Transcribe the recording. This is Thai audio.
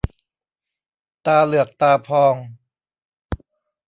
ตาเหลือกตาพอง